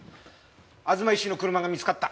東医師の車が見つかった。